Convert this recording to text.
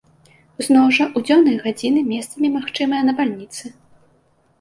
Зноў жа ў дзённыя гадзіны месцамі магчымыя навальніцы.